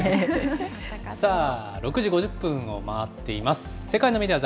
さあ、６時５０分を回っています。